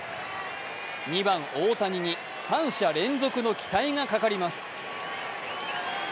２番・大谷に三者連続の期待がかかります。